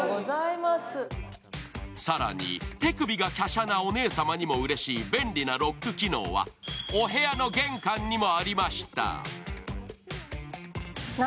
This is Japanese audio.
更に、手首がきゃしゃなお姉様にもうれしい便利なロック機能はお部屋の玄関にもありました。